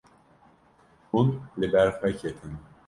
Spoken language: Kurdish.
Hûn li ber xwe ketin.